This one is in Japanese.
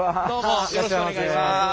よろしくお願いします。